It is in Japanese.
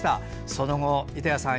その後、板谷さん